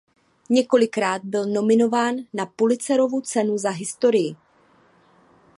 Několikrát byl nominován na Pulitzerovu cenu za historii.